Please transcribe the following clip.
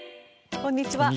こんにちは。